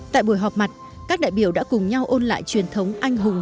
tại buổi họp mặt các đại biểu đã cùng nhau ôn lại truyền thống anh hùng